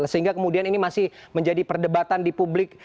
sehingga kemudian ini masih menjadi perdebatan di publik